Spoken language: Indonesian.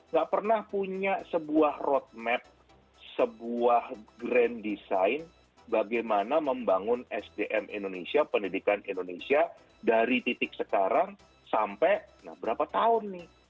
gak pernah punya sebuah roadmap sebuah grand design bagaimana membangun sdm indonesia pendidikan indonesia dari titik sekarang sampai berapa tahun nih